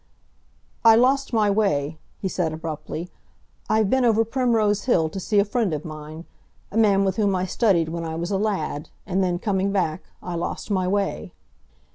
"I lost my way," he said abruptly. "I've been over Primrose Hill to see a friend of mine, a man with whom I studied when I was a lad, and then, coming back, I lost my way."